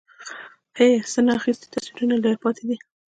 هَی؛ څه نا اخیستي تصویرونه یې لا پاتې دي